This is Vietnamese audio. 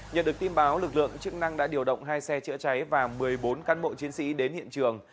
nhận được tin báo lực lượng chức năng đã điều động hai xe chữa cháy và một mươi bốn cán bộ chiến sĩ đến hiện trường